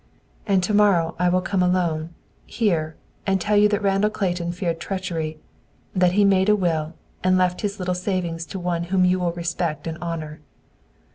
"And to morrow I will come alone, here, and tell you that Randall Clayton feared treachery; that he made a will, and left his little savings to one whom you will respect and honor.